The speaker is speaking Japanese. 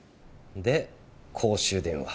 で公衆電話。